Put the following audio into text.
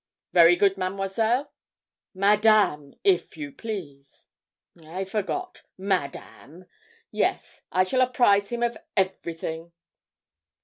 'Very good, Mademoiselle.' 'Madame, if you please.' 'I forgot Madame yes, I shall apprise him of everything.'